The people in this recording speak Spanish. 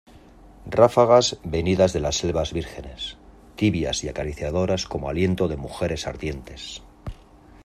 ráfagas venidas de las selvas vírgenes, tibias y acariciadoras como aliento de mujeres ardientes